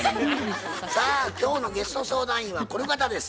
さあ今日のゲスト相談員はこの方です。